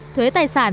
thuế tài sản